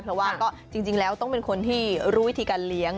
เพราะว่าก็จริงแล้วต้องเป็นคนที่รู้วิธีการเลี้ยง